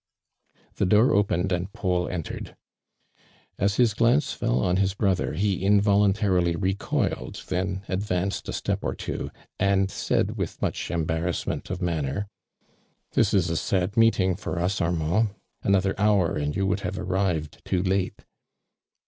The door opened and Paul entered. As his glance fell on his brother, ho involun tarily recoiled, then advanced a step or two, and said with much embarrassment of manner : "This is a sad meeting for us, Armand ! Another hour and you would luivo arrived too late!"